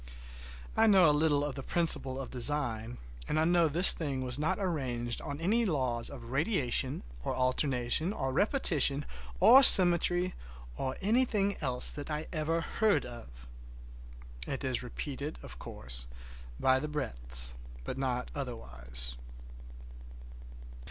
I know a little of the principle of design, and I know this thing was not arranged on any laws of radiation, or alternation, or repetition, or symmetry, or anything else that I ever heard of. It is repeated, of course, by the breadths, but not otherwise.